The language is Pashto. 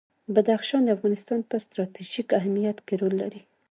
بدخشان د افغانستان په ستراتیژیک اهمیت کې رول لري.